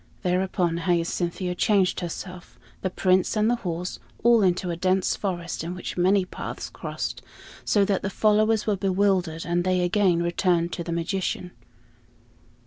Thereupon Hyacinthia changed herself, the Prince and the horse, all into a dense forest in which many paths crossed, so that the followers were bewildered; and they again returned to the magician.